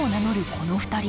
この２人。